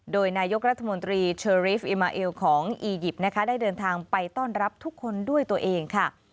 โดยนายกรัฐมนตรีเชอรีฟอิมาเอลของอียิปต์นะคะได้เดินทางไปต้อนรับทุกคนด้วยตัวเองค่ะ